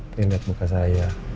pengen liat muka saya